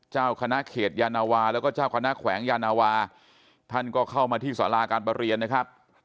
เจ้าคณะเขตยานาวาแล้วก็เจ้าคณะแขวงยานาวาท่านก็เข้ามาที่สาราการประเรียนนะครับ